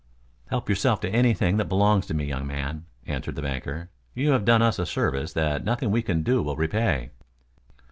"Help yourself to anything that belongs to me, young man," answered the banker. "You have done us a service that nothing we can do will repay."